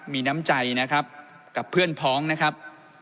มีน้ำใจนะครับกับเพื่อนพ้องนะครับ